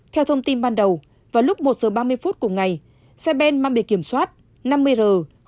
theo thông tin ban đầu vào lúc một giờ ba mươi phút của ngày xe ben mang bề kiểm soát năm mươi r ba nghìn năm mươi chín